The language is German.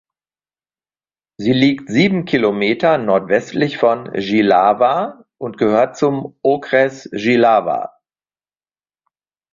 Sie liegt sieben Kilometer nordwestlich von Jihlava und gehört zum Okres Jihlava.